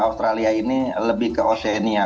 australia ini lebih ke oceania